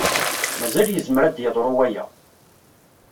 Mazal yezmer ad yeḍru waya.